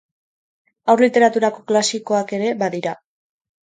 Haur literaturako klasikoak ere badira.